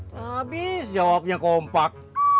habis jawabnya kompak